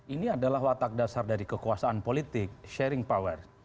ini adalah watak dasar dari kekuasaan politik sharing power